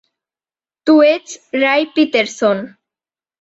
Tu ets Ray Peterson.